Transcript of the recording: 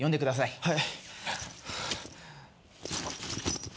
はい。